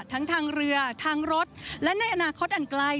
ทั้งทางเรือทางรถและในอนาคตอันไกล